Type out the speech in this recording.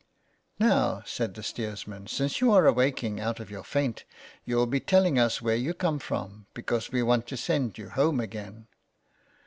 " Now," said the steersman, *' since you are awaking out of your faint, you'll be telling us where you come from, because we want to send you home again."